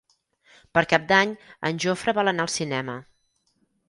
Per Cap d'Any en Jofre vol anar al cinema.